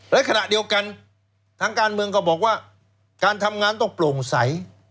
และขณะเดียวกันทางการเมืองก็บอกว่าการทำงานต้องโปร่งใส